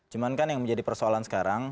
cuman kan yang menjadi persoalan sekarang